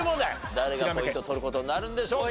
誰がポイントを取る事になるんでしょうか？